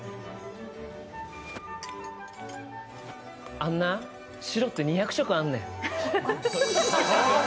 あんな、白って２００色あんねん。